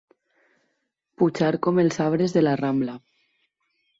Pujar com els arbres de la Rambla.